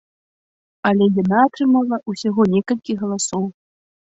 Але яна атрымала ўсяго некалькі галасоў.